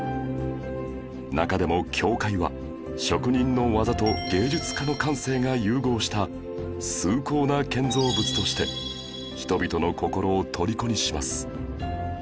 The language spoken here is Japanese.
中でも教会は職人の技と芸術家の感性が融合した崇高な建造物として人々の心をとりこにします